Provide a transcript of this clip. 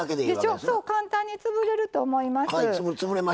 簡単に潰れると思います。